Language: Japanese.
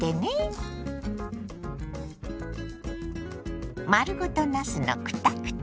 丸ごとなすのクタクタ煮。